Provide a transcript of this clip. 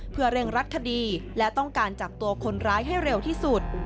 เพื่อเร่งรัดคดีและต้องการจับตัวคนร้ายให้เร็วที่สุด